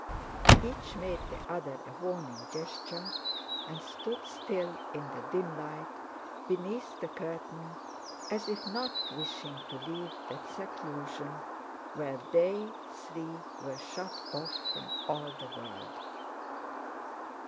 Each made the other a warning gesture and stood still in the dim light beneath the curtain as if not wishing to leave that seclusion where they three were shut off from all the world.